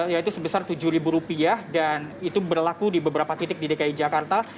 yaitu sebesar tujuh ribu rupiah dan itu berlaku di beberapa titik di dki jakarta